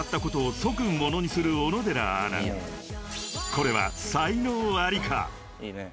［これは才能ありか？］